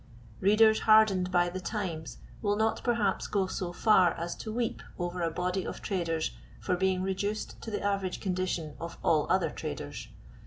Readers hardened by the Times will not perhaps go so far as to weep over a body of traders for being reduced to the average condition of all other traders.